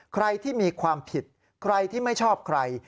ใครที่มีความผิดใครที่ไม่ชอบใคร